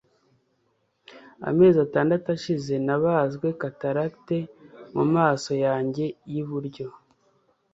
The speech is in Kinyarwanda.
amezi atandatu ashize nabazwe cataracte mumaso yanjye yiburyo